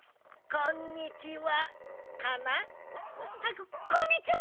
こっこんにちは！